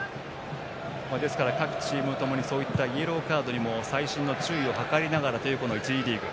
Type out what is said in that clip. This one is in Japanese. ですから、各チームともイエローカードにも細心の注意を払いながらという１次リーグ。